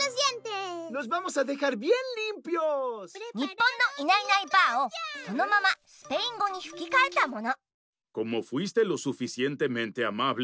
日本の「いないいないばあっ！」をそのままスペイン語にふきかえたもの。